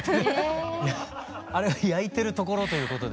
あれは焼いてるところということで。